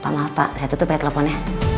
pak maaf pak saya tutup ya teleponnya